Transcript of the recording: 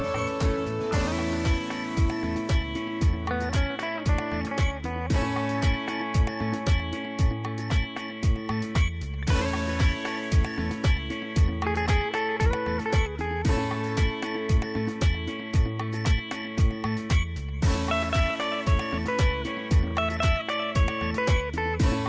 โปรดติดตามตอนต่อไป